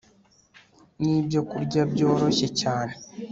Ni byokurya byoroshye cyane